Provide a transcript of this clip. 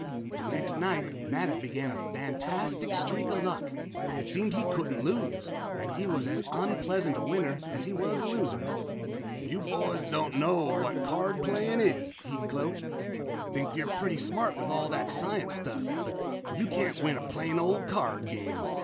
The next night Mattup began a fantastic streak of luck. It seemed he couldn't lose, and he was as unpleasant a winner as he was a loser. "You boys don't know what card playin' is," he'd gloat. "Think you're pretty smarty with all that science stuff but you can't win a plain old card game.